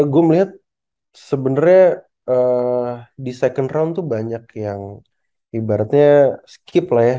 gue melihat sebenarnya di second round tuh banyak yang ibaratnya skip lah ya